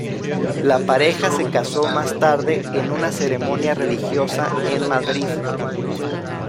La pareja se casó más tarde en una ceremonia religiosa en Madrid.